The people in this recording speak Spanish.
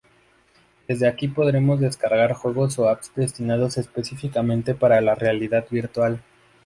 Desde aquí podremos descargar Juegos o Apps destinados específicamente para la realidad virtual.